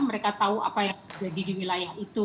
mereka tahu apa yang terjadi di wilayah itu